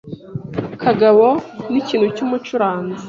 Kagabo ni ikintu cyumucuranzi.